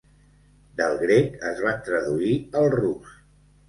Del grec es van traduir al rus.